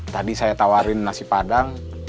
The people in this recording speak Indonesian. tadi saya tawarin nasi padang